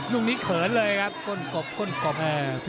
ลุงนี้เขินเลยครับ